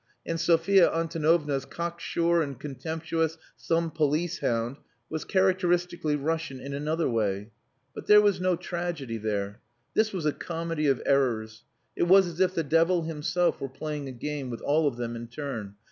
And Sophia Antonovna's cocksure and contemptuous "some police hound" was characteristically Russian in another way. But there was no tragedy there. This was a comedy of errors. It was as if the devil himself were playing a game with all of them in turn.